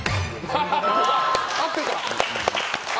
合ってた。